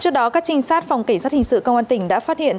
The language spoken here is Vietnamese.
trước đó các trinh sát phòng cảnh sát hình sự công an tỉnh đã phát hiện